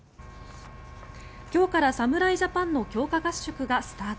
今日から侍ジャパンの強化合宿がスタート。